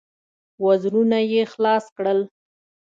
وزرونه يې خلاص کړل.